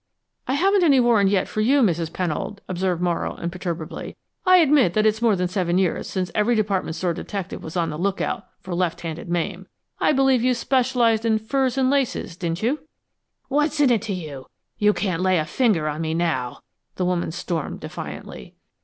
"I haven't any warrant yet for you, Mrs. Pennold," observed Morrow, imperturbably. "I admit that it's more than seven years since every department store detective was on the look out for Left handed Mame. I believe you specialized in furs and laces, didn't you?" "What's it to you? You can't lay a finger on me now!" the woman stormed, defiantly.